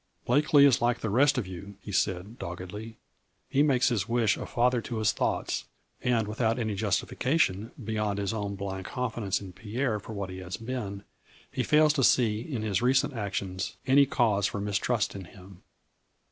" Blakely is like the rest of you," he said, doggedly, " he makes ' his wish a father to his thoughts ' and, without any justification beyond his own blind confidence in Pierre for what he has been, he fails to see in his recent actions any cause for mistrust in him.